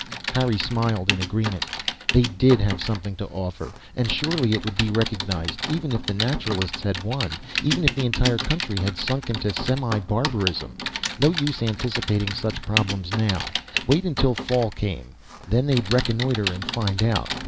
Harry smiled in agreement. They did have something to offer, and surely it would be recognized even if the Naturalists had won, even if the entire country had sunk into semi barbarism. No use anticipating such problems now. Wait until fall came; then they'd reconnoitre and find out.